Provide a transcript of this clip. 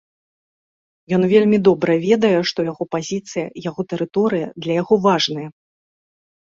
Ён вельмі добра ведае, што яго пазіцыя, яго тэрыторыя для яго важная.